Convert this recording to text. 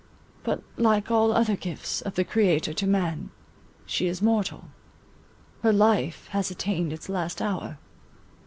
But like all other gifts of the Creator to Man, she is mortal; her life has attained its last hour.